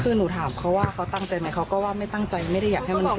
คือหนูถามเขาว่าเขาตั้งใจไหมเขาก็ว่าไม่ตั้งใจไม่ได้อยากให้มันเกิด